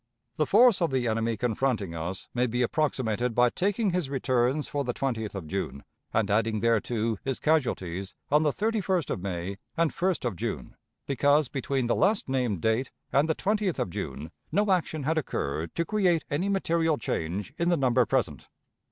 The force of the enemy confronting us may be approximated by taking his returns for the 20th of June and adding thereto his casualties on the 31st of May and 1st of June, because between the last named date and the 20th of June no action had occurred to create any material change in the number present.